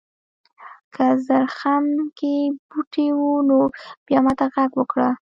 که زرخم کې بوټي و نو بیا ماته غږ وکړه.